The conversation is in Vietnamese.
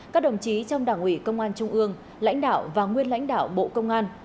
các đồng chí trong đảng ủy công an trung ương lãnh đạo và nguyên lãnh đạo bộ công an